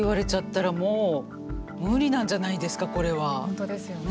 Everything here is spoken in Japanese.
本当ですよね。